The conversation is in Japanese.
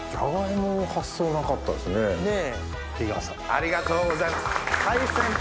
ありがとうございます。